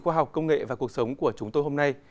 khoa học công nghệ và cuộc sống của chúng tôi hôm nay